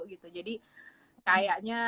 gitu jadi kayaknya